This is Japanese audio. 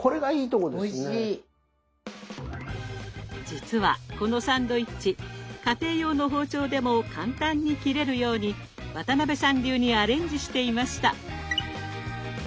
実はこのサンドイッチ家庭用の包丁でも簡単に切れるように渡辺さん流にアレンジしていました。